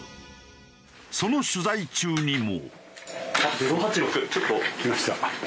その取材中にも。